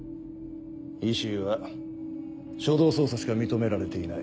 ＥＣＵは初動捜査しか認められていない。